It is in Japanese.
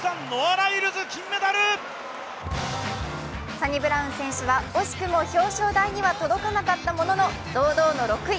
サニブラウン選手は惜しくも表彰台には届かなかったものの堂々の６位。